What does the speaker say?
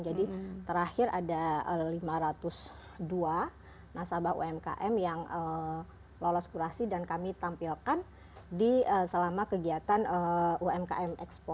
jadi terakhir ada lima ratus dua nasabah umkm yang lolos kurasi dan kami tampilkan selama kegiatan umkm ekspor